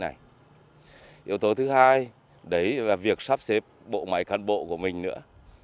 yếu tố thứ hai đấy là việc sắp xếp bộ máy cán bộ của mình nữa